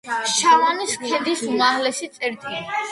შავანის ქედის უმაღლესი წერტილი.